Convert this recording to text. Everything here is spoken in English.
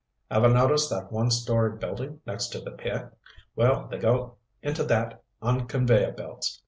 "Ever notice that one story building next to the pier? Well, they go into that on conveyer belts.